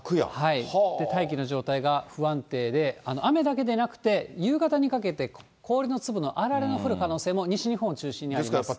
大気の状態が不安定で、雨だけでなくて、夕方にかけて、氷の粒のあられの降る可能性も、西日本を中心にあります。